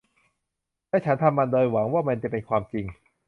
และฉันทำมันโดยหวังว่ามันจะเป็นความจริง